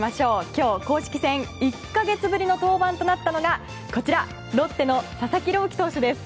今日、公式戦１か月ぶりの登板となったのがロッテの佐々木朗希投手です。